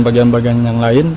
bagian bagian yang lain